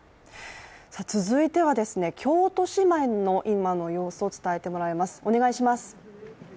続いては、京都市内の今の様子を伝えてもらいます。